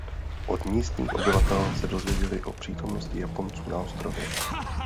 Od místních obyvatel se dozvěděli o přítomnosti Japonců na ostrově.